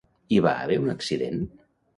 Hi va haver un accident?